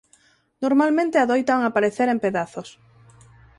Normalmente adoitan aparecer en pedazos.